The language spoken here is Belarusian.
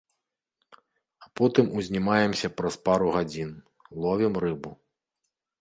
А потым узнімаемся праз пару гадзін, ловім рыбу.